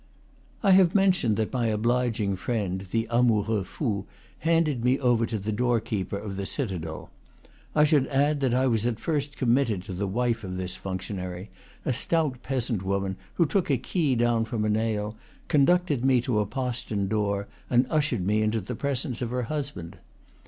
I have mentioned that my obliging friend the amoureux fou handed me over to the door keeper of the citadel. I should add that I was at first committed to the wife of this functionary, a stout peasant woman, who took a key down from a nail, conducted me to a postern door, and ushered me into the presence of her husband.